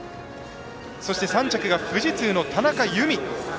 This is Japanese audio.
そして、３着が富士通の田中佑美。